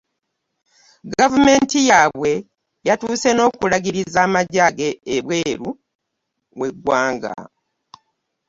Gavumenti yaabwe yatuuse n'okulagiriza amagye ebweru w'eggwanga.